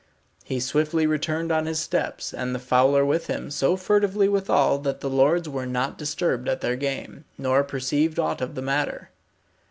He swiftly returned on his steps, and the fowler with him, so furtively withal that the lords were not disturbed at their game, nor perceived aught of the matter.